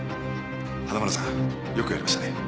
花村さんよくやりましたね。